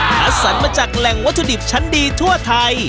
คัดสรรมาจากแหล่งวัตถุดิบชั้นดีทั่วไทย